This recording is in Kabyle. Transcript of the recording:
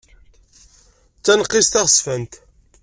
D taneqqist taɣezzfant.